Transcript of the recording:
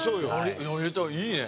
いいね！